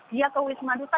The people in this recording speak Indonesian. dia ke wisma duta